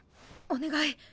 お願い